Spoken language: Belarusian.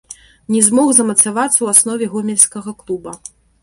Не змог замацавацца ў аснове гомельскага клуба.